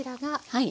はい。